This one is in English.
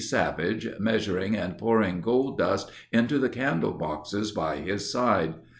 Savage, measuring and pouring gold dust into the candle boxes by his side.